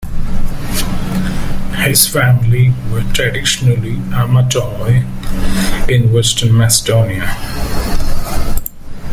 His family were traditionally Armatoloi in Western Macedonia.